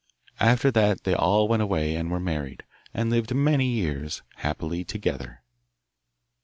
After that they all went away and were married, and lived many years happily together.